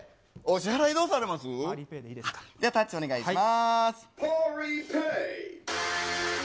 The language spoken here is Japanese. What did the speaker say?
タッチお願いします。